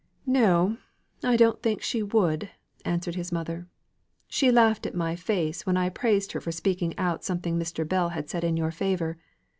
"No, I don't think she would," answered his mother. "She laughed in my face, when I praised her for speaking out something Mr. Bell had said in your favour.